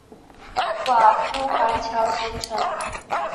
瓦夫环礁形成。